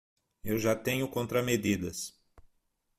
Eu já tenho contramedidas